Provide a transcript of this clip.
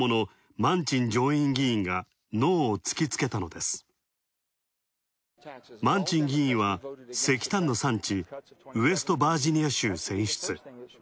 マンチン議員は石炭の産地、ウエストバージニア州選出。